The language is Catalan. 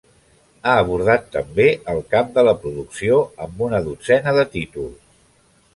Ha abordat també el camp de la producció, amb una dotzena de títols.